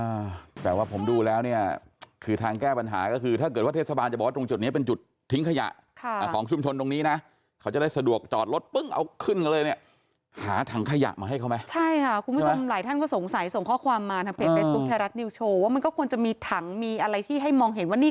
อ่าแต่ว่าผมดูแล้วเนี่ยคือทางแก้ปัญหาก็คือถ้าเกิดว่าเทศบาลจะบอกว่าตรงจุดเนี้ยเป็นจุดทิ้งขยะค่ะอ่าของชุมชนตรงนี้นะเขาจะได้สะดวกจอดรถปึ้งเอาขึ้นกันเลยเนี่ยหาถังขยะมาให้เขาไหมใช่ค่ะคุณผู้ชมหลายท่านก็สงสัยส่งข้อความมาทางเพจเฟซบุ๊คไทยรัฐนิวโชว์ว่ามันก็ควรจะมีถังมีอะไรที่ให้มองเห็นว่านี่